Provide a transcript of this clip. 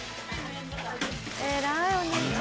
偉いお姉ちゃん。